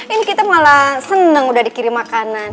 ini kita malah seneng udah dikirim makanan